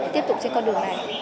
tiếp tục trên con đường này